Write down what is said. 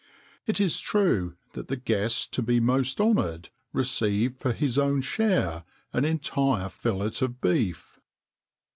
It is true that the guest to be most honoured received for his own share an entire fillet of beef.